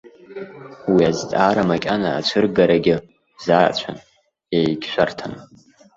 Уи азҵаара макьана ацәыргарагьы заацәан, егьшәарҭан.